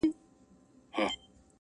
• ما روان كړله پر لار د فساديانو -